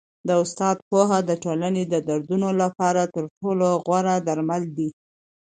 د استاد پوهه د ټولني د دردونو لپاره تر ټولو غوره درمل دی.